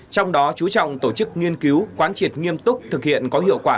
trong đó chú trọng tổ chức nghiên cứu quán triệt nghiêm túc thực hiện có hiệu quả